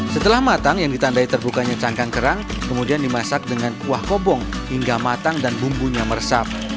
setelah matang yang ditandai terbukanya cangkang kerang kemudian dimasak dengan kuah kobong hingga matang dan bumbunya meresap